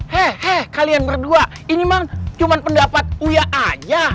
he he kalian berdua ini mah cuman pendapat uya aja